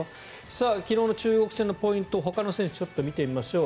昨日の中国戦のポイントほかの選手、見てみましょう。